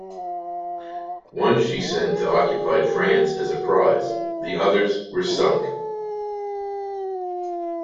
One she sent to occupied France as a prize; the others were sunk.